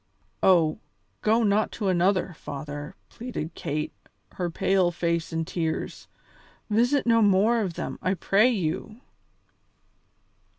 "Oh! go not to another, father," pleaded Kate, her pale face in tears; "visit no more of them, I pray you!"